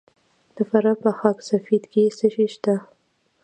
د فراه په خاک سفید کې څه شی شته؟